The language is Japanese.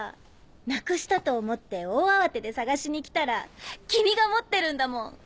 なくしたと思って大慌てで探しに来たら君が持ってるんだもん。